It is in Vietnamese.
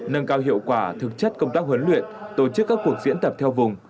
nâng cao hiệu quả thực chất công tác huấn luyện tổ chức các cuộc diễn tập theo vùng